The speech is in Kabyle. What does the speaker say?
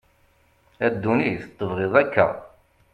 a dunit tebγiḍ akka